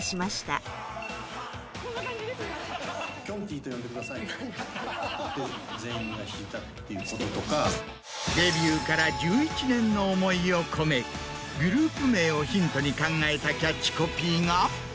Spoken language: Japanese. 「ＭＡＲＥ」家は生きる場所へデビューから１１年の思いを込めグループ名をヒントに考えたキャッチコピーが。